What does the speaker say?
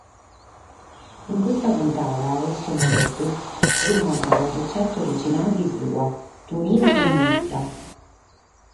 In custa puntada Alessio Madeddu nos contat una retzeta originale sua: Tunina cun murta.